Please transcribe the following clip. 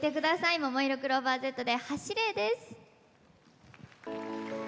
ももいろクローバーＺで「走れ！」です。